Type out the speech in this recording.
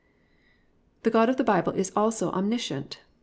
"+ 3. _The God of the Bible is also omniscient.